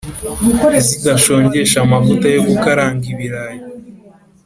Zidashongesha amavuta yo gukaranga ibirayi.